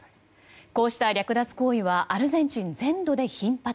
こうした略奪行為はアルゼンチン全土で頻発。